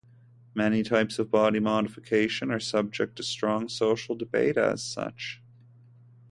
Many types of body modification are subject to strong social debate as such.